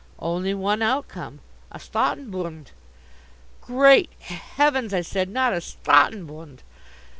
"Only one outcome a Staatenbund." "Great heavens," I said, "not a Staatenbund!"